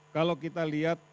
kalau kita lihat